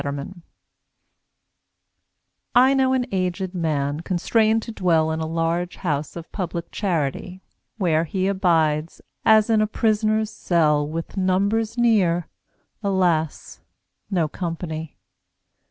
8 Autoplay I know an aged Man constrained to dwell In a large house of public charity, Where he abides, as in a Prisoner's cell, With numbers near, alas! no company.